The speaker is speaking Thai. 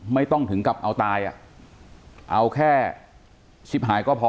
ไม่ต้องถึงกับเอาตายอ่ะเอาแค่ชิบหายก็พอ